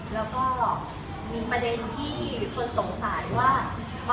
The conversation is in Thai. แล้วก็มีประเด็นที่คนสงสัยว่า